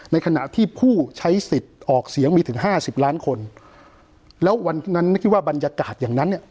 ในขณะที่ผู้ใช้สิทธิ์ออกเสียงมีถึงห้าสิบล้านคนแล้ววันนั้นคิดว่าบรรยากาศอย่างนั้นเนี่ย